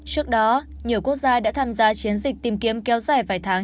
trước đó nhiều quốc gia đã tham gia chiến dịch tìm kiếm kéo dài vài tháng